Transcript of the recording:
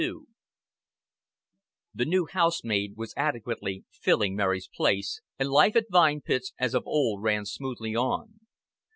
XXII The new housemaid was adequately filling Mary's place, and life at Vine Pits as of old ran smoothly on.